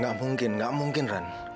gak mungkin gak mungkin ran